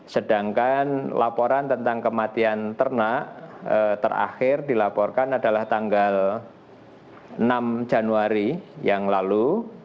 sedangkan laporan tentang kematian ternak terakhir dilaporkan adalah tanggal enam januari yang lalu